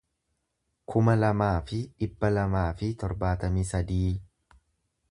kuma lamaa fi dhibba lamaa fi torbaatamii sadii